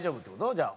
じゃあ。